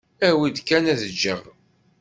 Awi-d kan ad jjiɣ.